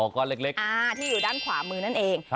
ก้อนเล็กที่อยู่ด้านขวามือนั่นเอง